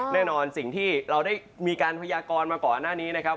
แน่นอนสิ่งที่เราได้มีการพยากรมาก่อนหน้านี้นะครับ